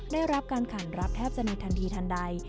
ได้รับการขันรับแทบจะมีทันทีทันใด